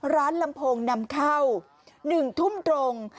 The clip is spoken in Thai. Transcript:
ลำโพงนำเข้า๑ทุ่มตรง